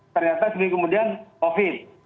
ternyata kemudian covid